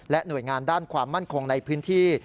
หน่วยงานด้านความมั่นคงในพื้นที่